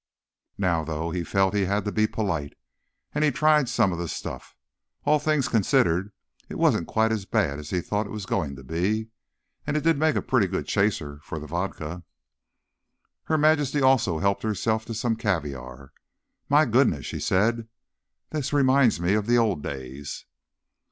Now, though, he felt he had to be polite, and he tried some of the stuff. All things considered, it wasn't quite as bad as he'd thought it was going to be. And it did make a pretty good chaser for the vodka. Her Majesty also helped herself to some caviar. "My goodness," she said. "This reminds me of the old days."